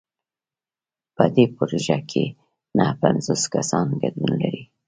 په دې پروژه کې نهه پنځوس کسان ګډون لري.